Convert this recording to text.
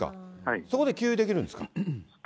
そこで給油できるんですか。